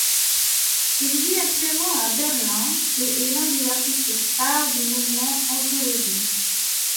Il vit actuellement à Berlin et est l’un des artistes phares du mouvement hantologie.